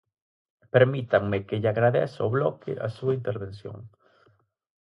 Permítanme que lle agradeza ao Bloque a súa intervención.